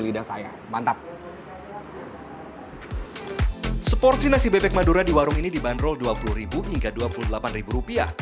lidah saya mantap seporsi nasi bebek madura di warung ini dibanderol dua puluh hingga dua puluh delapan rupiah